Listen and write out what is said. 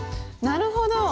なるほど。